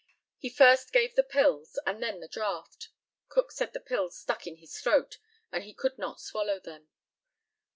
He first gave the pills, and then the draught. Cook said the pills stuck in his throat, and he could not swallow them.